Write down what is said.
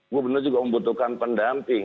gubernur juga membutuhkan pendamping